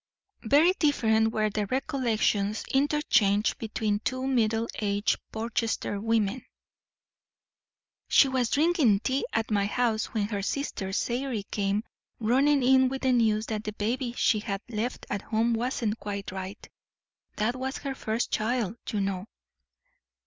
Very different were the recollections interchanged between two middle aged Portchester women. "She was drinking tea at my house when her sister Sairey came running in with the news that the baby she had left at home wasn't quite right. That was her first child, you know."